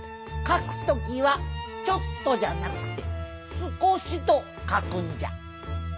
かくときは「ちょっと」じゃなくて「すこし」とかくんじゃ。